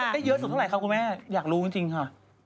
ได้เยอะสุดเท่าไหคะคุณแม่อยากรู้จริงค่ะ